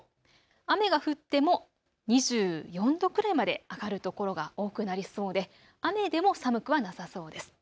雨が降っても２４度くらいまで上がる所が多くなりそうで雨でも寒くはなさそうです。